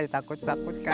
iya takut takut kan